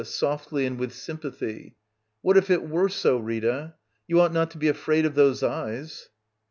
[Softly and with sympathy.] What if it y^ere so, Rita? You ought not to be afraid of those eyes.